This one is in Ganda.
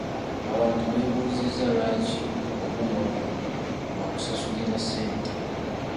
Abantu b’ebuuzizza lwaki obuuma buno bwa kusasulira ssente?